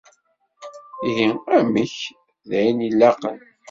Ihi amek! D ayen ilaqen.